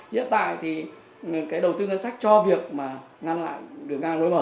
giờ tại thì cái đầu tư ngân sách cho việc mà ngăn lại đường ngang lối mở đã có